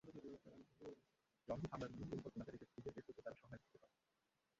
জঙ্গি হামলার মূল পরিকল্পনাকারীদের খুঁজে বের করতে তারা সহায়ক হতে পারত।